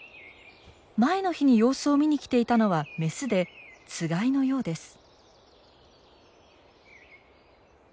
前の日に様子を見に来ていたのはメスでつがいのようです。